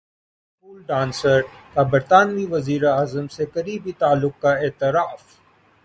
سابق pole dancer کا برطانوی وزیراعظم سے قریبی تعلق کا اعتراف